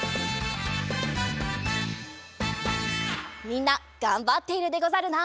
みんながんばっているでござるな。